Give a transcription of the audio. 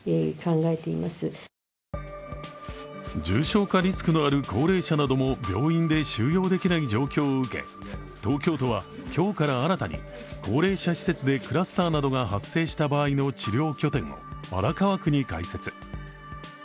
重症化リスクのある高齢者なども病院で収容できない状況を受け東京都は今日から新たに高齢者施設でクラスターなどが発生した場合の治療拠点を荒川区に開設。